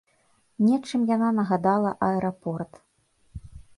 Нечым яна нагадала аэрапорт.